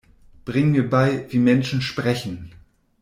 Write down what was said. Bring mir bei, wie Menschen sprechen!